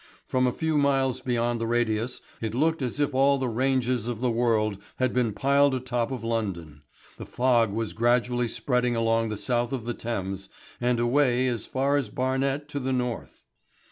From a few miles beyond the radius it looked as if all the ranges of the world had been piled atop of London. The fog was gradually spreading along the South of the Thames, and away as far as Barnet to the North.